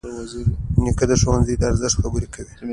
نیکه د ښوونځي د ارزښت خبرې کوي.